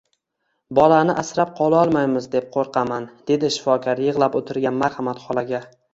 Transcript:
Bolani asrab qololmaymiz deb qo`rqaman, dedi shifokor yig`lab o`tirgan Marhamat xolaga